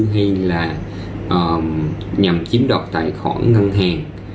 hay là nhằm chiếm đọt tài khoản ngân hàng